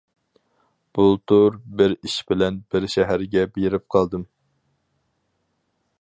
بۇلتۇر بىر ئىش بىلەن بىر شەھەرگە بېرىپ قالدىم.